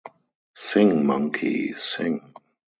Sing Monkey, Sing!